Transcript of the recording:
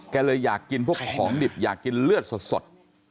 เลยอยากกินพวกของดิบอยากกินเลือดสด